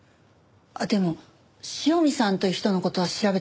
でも塩見さんという人の事は調べてました。